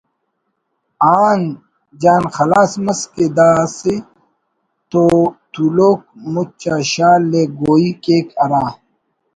آن جان خلاس مس کہ دا سہ تولوک مچ آ شال ءِ گوہی کیک ہرا